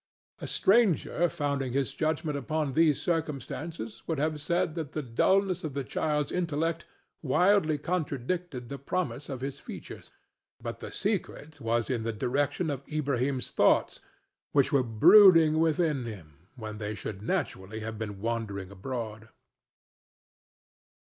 A stranger founding his judgment upon these circumstances would have said that the dulness of the child's intellect widely contradicted the promise of his features, but the secret was in the direction of Ilbrahim's thoughts, which were brooding within him when they should naturally have been wandering abroad.